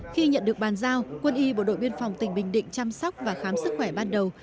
khi nhận được bàn giao quân y bộ đội biên phòng tỉnh bình định chăm sóc và khám sức khỏe ban đầu